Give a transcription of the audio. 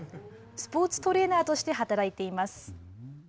スポーツトレーナーとして働いています。